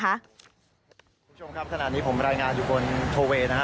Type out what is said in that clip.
คุณผู้ชมครับขนาดนี้ผมรายงานอยู่บนโทเว